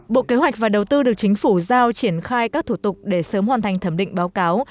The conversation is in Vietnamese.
bộ kế hoạch và đầu tư được chính phủ giao triển khai các thủ tục để sớm hoàn thành thẩm định báo cáo